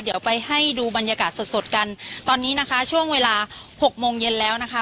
เดี๋ยวไปให้ดูบรรยากาศสดสดกันตอนนี้นะคะช่วงเวลาหกโมงเย็นแล้วนะคะ